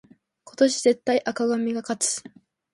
今年絶対紅組が勝つ